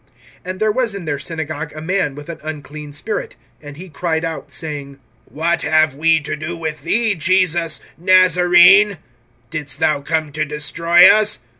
(23)And there was in their synagogue a man with an unclean spirit. And he cried out, (24)saying: What have we to do with thee[1:24], Jesus, Nazarene! Didst thou come to destroy us?